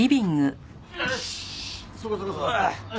よしそこそこそこそこ。